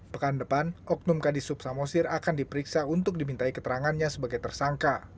pekan depan oknum kadisub samosir akan diperiksa untuk dimintai keterangannya sebagai tersangka